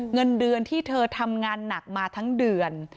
เงินเดือนที่เธอทำงานหนักมาทั้งเดือน